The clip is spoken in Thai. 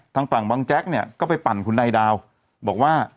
ทางฝั่งบังแจ๊กเนี่ยก็ไปปั่นคุณนายดาวบอกว่า